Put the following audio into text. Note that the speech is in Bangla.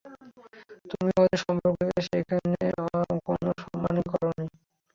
তুমি আমাদের সম্পর্কটাকে সেভাবে কোনো সম্মানই করোনি।